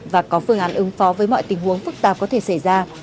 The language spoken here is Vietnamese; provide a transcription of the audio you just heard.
và có phương án ứng phó với mọi tình huống phức tạp có thể xảy ra